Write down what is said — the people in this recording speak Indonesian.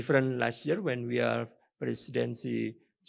sebelumnya ketika kita menjadi presidensi g dua puluh